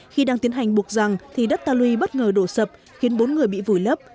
khi đang tiến hành buộc rằng thì đất ta lui bất ngờ đổ sập khiến bốn người bị vùi lấp